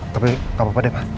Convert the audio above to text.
tapi gak apa apa deh pak